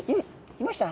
いました？